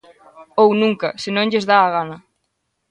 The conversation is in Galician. Ou nunca, se non lles dá a gana.